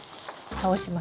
倒します？